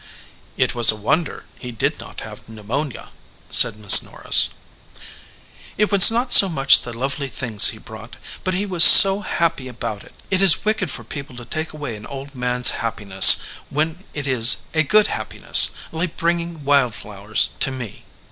"It was a wonder he did not have pneumonia," said Miss Norris. "It was not so much the lovely things he brought, but he was so happy about it. It is wicked for people to take away an old man s happiness when it is a good happiness, like bringing wild flowers to me."